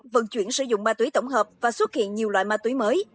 vận chuyển sử dụng ma túy tổng hợp và xuất hiện nhiều loại ma túy mới